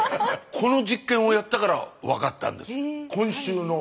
この実験をやったから分かったんです。